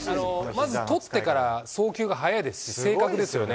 まず、捕ってから送球が速いですし、正確ですよね。